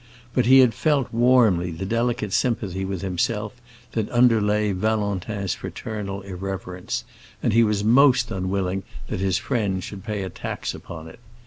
But he had felt warmly the delicate sympathy with himself that underlay Valentin's fraternal irreverence, and he was most unwilling that his friend should pay a tax upon it.